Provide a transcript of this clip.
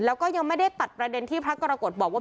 แล้วก็ยังไม่ได้ตัดประเด็นที่พระกรกฎบอกว่า